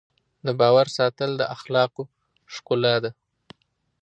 د باور ساتل د اخلاقو ښکلا ده.